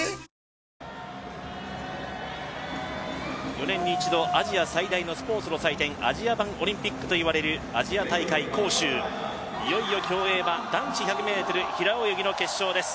４年に一度、アジア版オリンピックといわれるアジア大会杭州、いよいよ競泳は男子１００ｍ平泳ぎの決勝です。